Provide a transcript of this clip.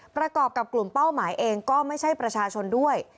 ประกอบกับกลุ่มเป้าหมายเองก็ไม่ใช่ประชาชนด้วย